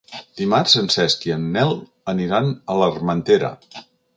Dimarts en Cesc i en Nel aniran a l'Armentera.